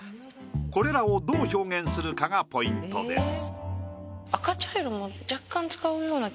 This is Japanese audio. これらをどう表現するかがポイントです。